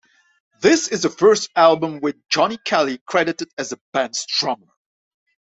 This is the first album with Johnny Kelly credited as the band's drummer.